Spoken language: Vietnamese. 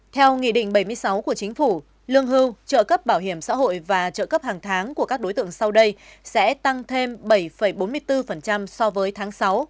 theo nghị định bảy mươi sáu của chính phủ lương hưu trợ cấp bảo hiểm xã hội và trợ cấp hàng tháng của các đối tượng sau đây sẽ tăng thêm bảy bốn mươi bốn so với tháng sáu